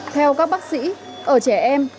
theo các bác sĩ ở trẻ em